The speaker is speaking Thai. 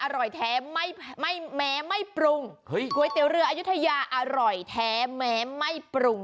ร้านก๋วยเตี๋ยวเรืออโยธยาอร่อยแท้แม้ไม่ปรุง